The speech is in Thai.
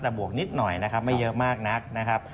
แต่บวกนิดหน่อยนะครับไม่เยอะมากนักนะครับ